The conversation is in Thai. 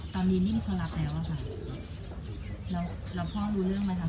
ตอนนี้ไม่มีคนรับแล้วอะค่ะแล้วแล้วพ่อรู้เรื่องไหมคะ